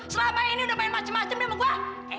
selama ini udah main macem macem nih sama gue